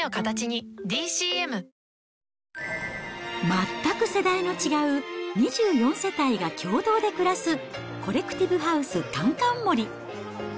全く世代の違う２４世帯が共同で暮らす、コレクティブハウスかんかん森。